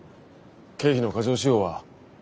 経費の過剰使用は。